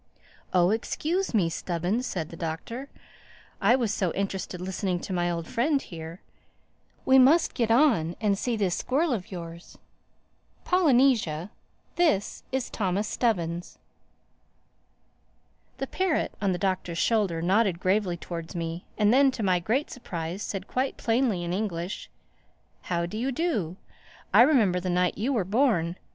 "Oh excuse me, Stubbins!" said the Doctor. "I was so interested listening to my old friend here. We must get on and see this squirrel of yours—Polynesia, this is Thomas Stubbins." The parrot, on the Doctor's shoulder, nodded gravely towards me and then, to my great surprise, said quite plainly in English, "How do you do? I remember the night you were born.